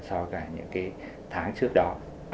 so với những tháng trước đó